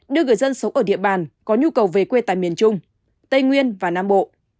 đưa người dân sống ở địa bàn có nhu cầu về quê tại miền trung tây nguyên và nam bộ